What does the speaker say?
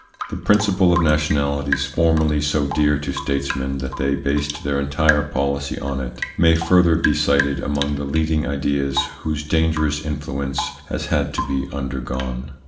The principle of nationalities, formerly so dear to statesmen that they based their entire policy on it, may further be cited among the leading ideas, whose dangerous influence has had to be undergone.